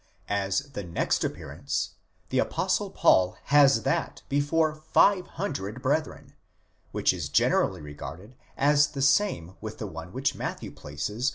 As the next appearance, the apostle Paul has that before five hundred brethren, which 15 generally regarded as the same with the one which Matthew places.